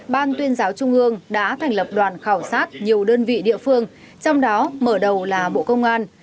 ban tuyên giáo trung ương đã thành lập đoàn khảo sát nhiều đơn vị địa phương trong đó mở đầu là bộ công an